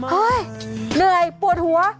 เฮ้ยเหนื่อยปวดหัว